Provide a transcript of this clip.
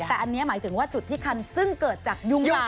แต่อันนี้หมายถึงว่าจุดที่คันซึ่งเกิดจากยุงลาย